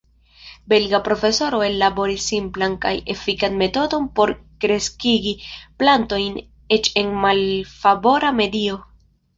Belga profesoro ellaboris simplan kaj efikan metodon por kreskigi plantojn eĉ en malfavora medio.